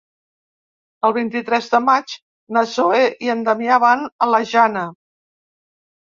El vint-i-tres de maig na Zoè i en Damià van a la Jana.